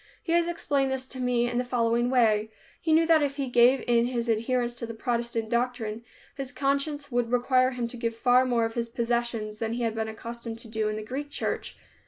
He has explained this to me in the following way: He knew that if he gave in his adherence to the Protestant doctrine, his conscience would require him to give far more of his possessions than he had been accustomed to do in the Greek church.